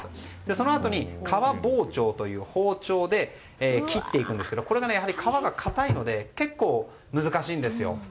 そのあとに革包丁という包丁で切っていくんですが革が硬いので難しいんですよ。